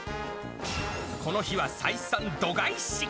この日は採算度外視。